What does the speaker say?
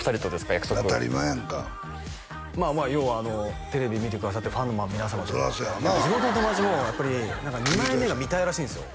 約束当たり前やんか要はテレビ見てくださってるファンの皆様とか地元の友達もやっぱり二枚目が見たいらしいんですよ